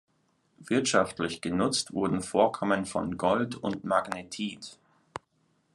Wirtschaftlich genutzt wurden Vorkommen von Gold und Magnetit.